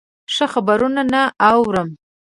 ښه خبرونه نه اورم.